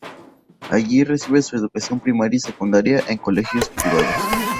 Allí recibe su educación primaria y secundaria en colegios privados.